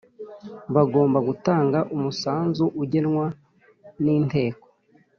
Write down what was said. bagomba gutanga umusanzu ugenwa n inteko